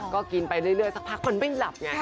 ก็กินไปเรื่อยสักพักมันไม่หลับไง